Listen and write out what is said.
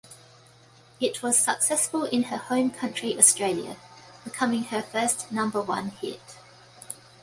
It was successful in her home country Australia, becoming her first number-one hit.